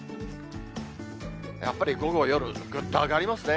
やっぱり午後、夜、ぐっと上がりますね。